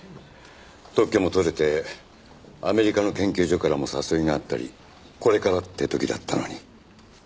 特許も取れてアメリカの研究所からも誘いがあったりこれからって時だったのに。